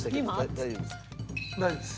大丈夫です。